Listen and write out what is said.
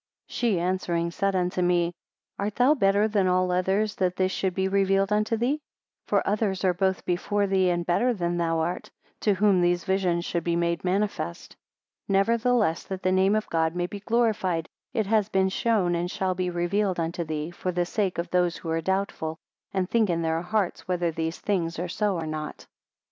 48 She answering, said unto me, Art thou better than all others that this should be revealed unto thee? For others are both before thee and better than thou art, to whom these visions should be made manifest. 49 Nevertheless, that the name of God may be glorified, it has been shown and shall be revealed unto thee, for the sake of those who are doubtful, and think in their hearts whether these things are so or not.